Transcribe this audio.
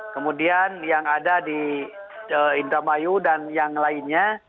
kemudian yang ada di indramayu dan yang lainnya